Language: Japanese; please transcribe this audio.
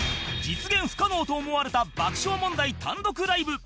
実現不可能と思われた爆笑問題単独ライブ